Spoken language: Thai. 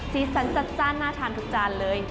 สีสันจัดจ้านน่าทานทุกจานเลย